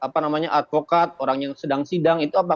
para advokat orang yang sedang sidang itu apa